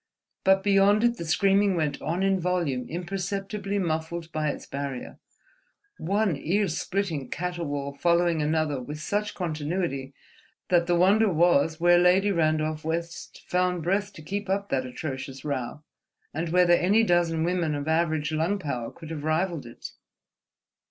But beyond it the screaming went on in volume imperceptibly muffled by its barrier, one ear splitting caterwaul following another with such continuity that the wonder was where Lady Randolph West found breath to keep up that atrocious row, and whether any dozen women of average lung power could have rivalled it.